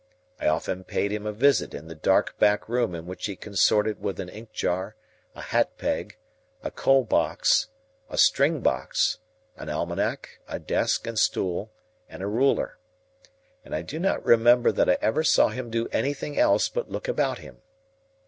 I often paid him a visit in the dark back room in which he consorted with an ink jar, a hat peg, a coal box, a string box, an almanac, a desk and stool, and a ruler; and I do not remember that I ever saw him do anything else but look about him.